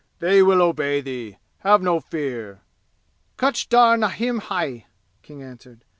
"They will obey thee! Have no fear!" "Kutch dar nahin hai!" King answered.